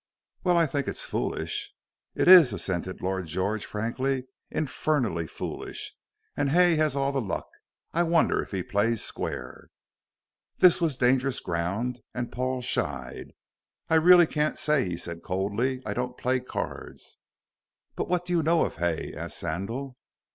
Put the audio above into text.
"Well, I think it's foolish." "It is," assented Lord George, frankly, "infernally foolish. And Hay has all the luck. I wonder if he plays square." This was dangerous ground, and Paul shied. "I really can't say," he said coldly, "I don't play cards." "But what do you know of Hay?" asked Sandal.